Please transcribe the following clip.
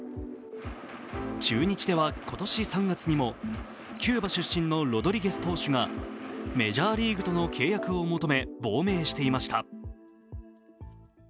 中日では今年３月にもキューバ出身のロドリゲス投手がメジャーリーグとの契約を求め亡命していました。